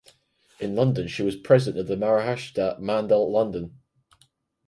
In London she was president of the Maharashtra Mandal London.